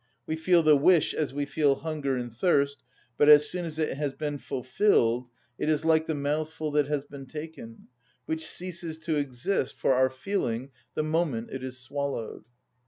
We feel the wish as we feel hunger and thirst; but as soon as it has been fulfilled, it is like the mouthful that has been taken, which ceases to exist for our feeling the moment it is swallowed.